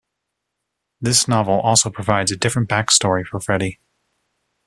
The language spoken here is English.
This novel also provides a different backstory for Freddy.